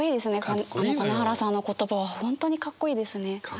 金原さんの言葉は本当にかっこいいですね。